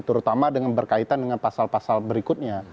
terutama dengan berkaitan dengan pasal pasal berikutnya